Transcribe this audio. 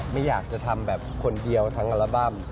ไม่อยากจะทำแบบคนเดียวทั้งอัลบั้ม